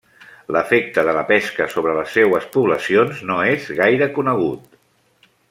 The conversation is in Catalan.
L'efecte de la pesca sobre les seues poblacions no és gaire conegut.